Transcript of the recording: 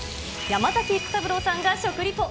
山崎育三郎さんが食リポ。